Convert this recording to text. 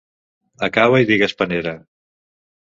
Acaba i digues panera.